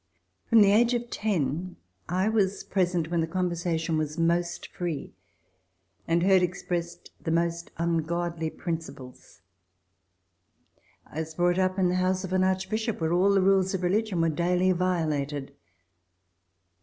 From the age of ten I was present when the conversation was most free, and heard expressed the most ungodly principles. I was brought up in the house of an arch bishop, where all the rules of religion were daily violated.